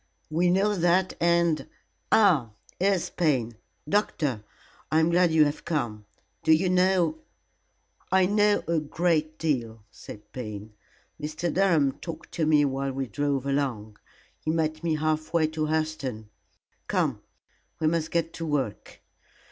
"We know that, and ah, here is Payne. Doctor, I am glad you have come. Do you know " "I know a great deal," said Payne. "Mr. Durham talked to me while we drove along. He met me half way to Hurseton. Come, we must get to work."